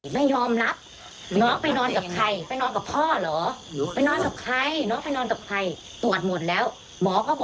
แม่คนที่ตายก็ไม่มีใครเชื่อหรอก